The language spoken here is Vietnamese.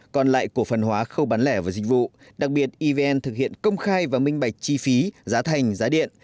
còn lại cổ phần hóa khâu bán lẻ và dịch vụ đặc biệt evn thực hiện công khai và minh bạch chi phí giá thành giá điện